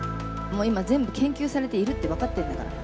今、全部研究されて、いるって分かってんだから。